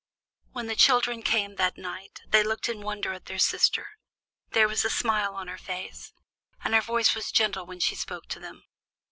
When the children came that night they looked in wonder at their sister. There was a smile on her face, and her voice was gentle when she spoke to them.